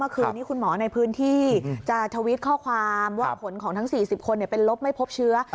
คืนนี้คุณหมอในพื้นที่จะทวิตข้อความว่าผลของทั้ง๔๐คนเป็นลบไม่พบเชื้อ